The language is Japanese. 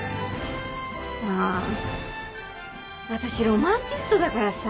まぁ私ロマンチストだからさ。